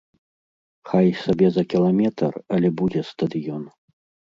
Хай сабе за кіламетр, але будзе стадыён.